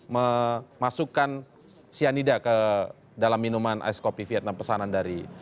memasukkan sianida ke dalam minuman ais kopi vietnam pesanan dari mirna